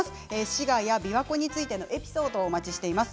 滋賀やびわ湖についてのエピソードお待ちしています。